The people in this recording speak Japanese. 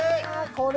これ！